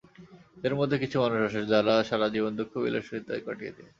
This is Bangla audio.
এদের মধ্যে কিছু মানুষ আছে, যারা সারা জীবন দুঃখ-বিলাসিতায় কাটিয়ে দেয়।